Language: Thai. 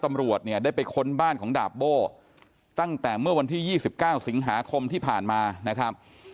ตำรวจเนี่ยได้ไปค้นบ้านของดาบโบ้ตั้งแต่เมื่อวันที่๒๙สิงหาคมที่ผ่านมานะครับ